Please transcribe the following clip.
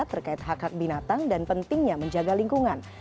terkait hak hak binatang dan pentingnya menjaga lingkungan